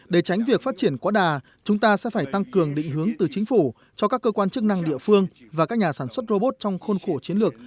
để tránh việc phát triển quá đà chúng ta sẽ phải tăng cường định hướng từ chính phủ cho các cơ quan chức năng địa phương và các nhà sản xuất robot trong khuôn khổ chiến lược